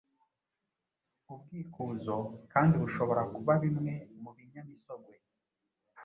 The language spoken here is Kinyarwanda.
Ubwikuzo kandi bushobora kuba bimwe mu binyamisogwe